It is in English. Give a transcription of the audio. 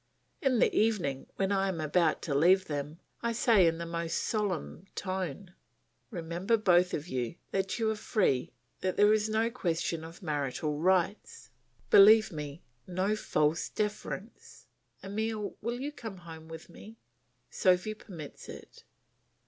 In the evening, when I am about to leave them, I say in the most solemn tone, "Remember both of you, that you are free, that there is no question of marital rights; believe me, no false deference. Emile will you come home with me? Sophy permits it."